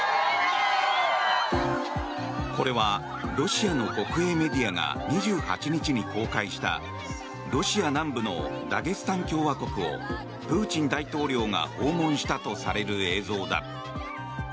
これはロシアの国営メディアが２８日に公開したロシア南部のダゲスタン共和国をプーチン大統領が訪問したとされる映像だ。